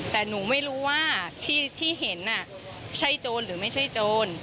แต่หนูไม่รู้ว่าที่เห็นใช่โจรหรือไม่ใช่โจร